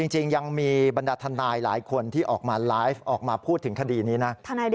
จริงยังมีบรรดาทนายหลายคนที่ออกมาไลฟ์ออกมาพูดถึงคดีนี้นะ